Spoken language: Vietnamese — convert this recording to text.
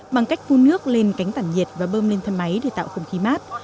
bằng cách phun nước lên cánh tản nhiệt và bơm lên thân máy để tạo không khí mát